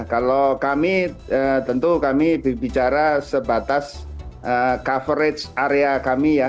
kalau kami tentu kami bicara sebatas coverage area kami ya